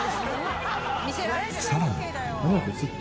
さらに。